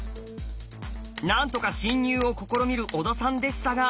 なんとか侵入を試みる小田さんでしたが。